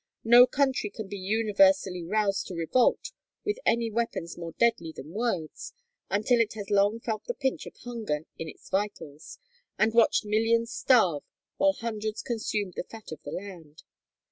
No country can be universally roused to revolt with any weapons more deadly than words until it has long felt the pinch of hunger in its vitals, and watched millions starve while hundreds consumed the fat of the land.